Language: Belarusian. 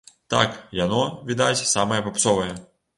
Так, яно, відаць, самае папсовае!